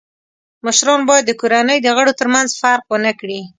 مشران باید د کورنۍ د غړو تر منځ فرق و نه کړي.